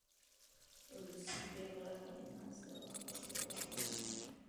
روسۍ پېغله غلې ناسته وه او ځواب یې رانکړ